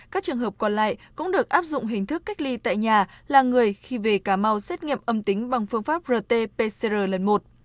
các trường hợp còn lại cũng được áp dụng hình thức cách ly tại nhà là người khi về cà mau xét nghiệm âm tính bằng phương pháp rt pcr lần một